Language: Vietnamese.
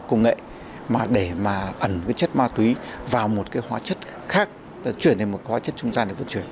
công nghệ mà để mà ẩn cái chất ma túy vào một cái hóa chất khác chuyển thành một hóa chất trung gian để vận chuyển